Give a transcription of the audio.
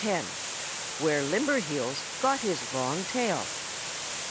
X WHERE LIMBERHEELS GOT HIS LONG TAIL.